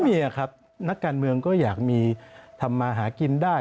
มีครับนักการเมืองก็อยากมีทำมาหากินได้